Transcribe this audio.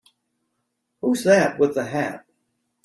Who's that with the hat?